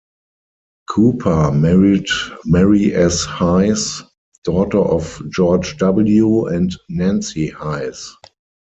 Cooper married Mary S. Hayes, daughter of George W. and Nancy Hayes.